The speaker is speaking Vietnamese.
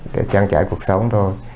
để trang trải cuộc sống thôi